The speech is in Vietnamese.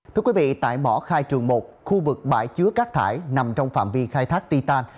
thưa quý vị tại mỏ khai trường một khu vực bãi chứa cát thải nằm trong phạm vi khai thác ti tàn